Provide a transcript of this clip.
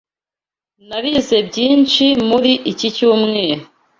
Narizoe byinshi muri iki cyumweru.